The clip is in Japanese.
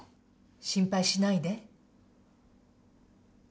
心配しないで。